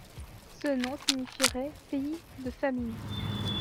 Ce nom signifierait pays de famine.